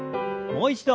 もう一度。